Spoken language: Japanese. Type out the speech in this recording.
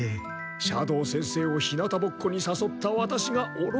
斜堂先生を日向ぼっこにさそったワタシがおろかでした。